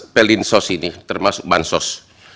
pelinsos ini termasuk bansos